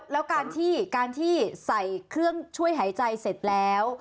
แล้วการที่การที่ใส่เครื่องช่วยหายใจเสร็จแล้ว